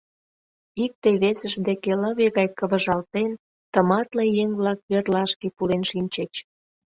Икте-весышт деке лыве гай кывыжалтен, тыматле еҥ-влак верлашке пурен шинчыч.